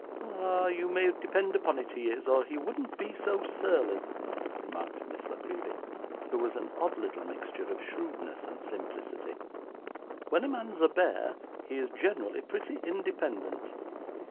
'Ah, you may depend upon it he is, or he wouldn't be so surly,' remarked Miss La Creevy, who was an odd little mixture of shrewdness and simplicity. 'When a man's a bear, he is generally pretty independent.